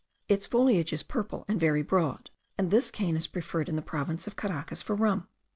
Its foliage is purple and very broad; and this cane is preferred in the province of Caracas for rum.